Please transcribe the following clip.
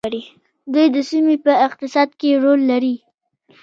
دوی د سیمې په اقتصاد کې رول لري.